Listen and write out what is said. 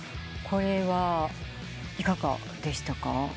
これはいかがでしたか？